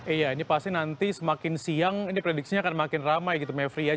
iya ini pasti nanti semakin siang ini prediksinya akan makin ramai gitu mevri ya